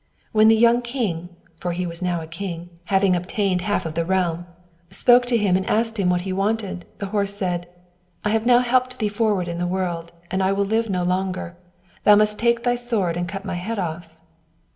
When the young king for he was now king, having obtained the half of the realm spoke to him and asked him what he wanted, the horse said, "I have now helped thee forward in the world, and I will live no longer: thou must take thy sword, and cut my head off."